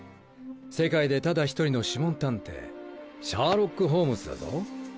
世界でただ一人の諮問探偵シャーロック・ホームズだぞ。